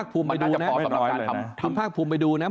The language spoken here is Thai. คุณภาคภูมิไปดูเนี่ย